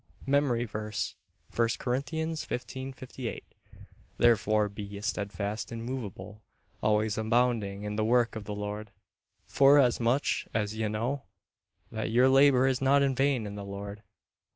MEMORY VERSE, I Corinthians 15: 58 "Therefore, be ye steadfast, immovable, always abounding in the work of the Lord, forasmuch as ye know that your labor is not in vain in the Lord."